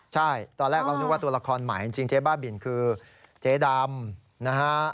ใช่ตอนแรกเรานึกว่าตัวละครใหม่จริงเจ๊บ้าบินคือเจ๊ดำนะฮะ